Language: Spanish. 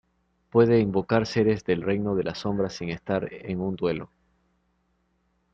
Puede Invocar seres del Reino de las Sombras sin estar en un Duelo.